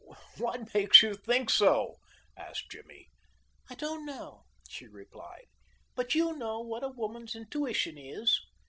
"What makes you think so?" asked Jimmy. "I don't know," she replied, "but you know what a woman's intuition is."